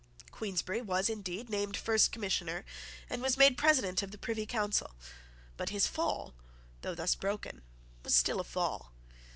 Queensberry was, indeed, named First Commissioner, and was made President of the Privy Council: but his fall, though thus broken, was still a fall.